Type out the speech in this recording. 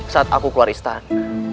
saat aku keluar istana